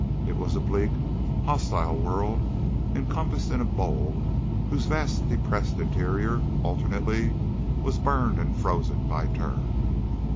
It was a bleak, hostile world encompassed in a bowl whose vast depressed interior alternately was burned and frozen by turn.